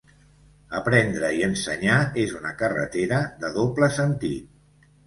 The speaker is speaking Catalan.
Aprendre i ensenyar és una carretera de doble sentit.